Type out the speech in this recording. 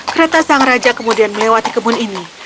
kereta sang raja kemudian melewati kebun ini